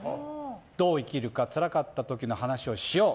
「どう生きるかつらかったときの話をしよう」。